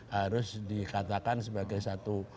harus dikatakan sebagai satu